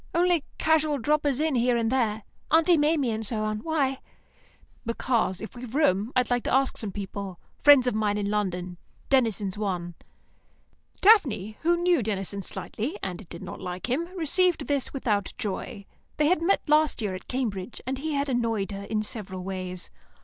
Only casual droppers in here and there; Aunt Maimie and so on. Why?" "Because, if we've room, I want to ask some people; friends of mine in London. Denison's one." Daphne, who knew Denison slightly, and did not like him, received this without joy. They had met last year at Cambridge, and he had annoyed her in several ways.